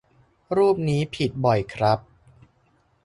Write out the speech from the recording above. รูปนี้ผิดบ่อยครับ